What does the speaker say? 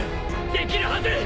できるはず！